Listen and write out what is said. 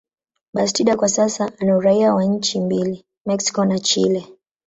Bastida kwa sasa ana uraia wa nchi mbili, Mexico na Chile.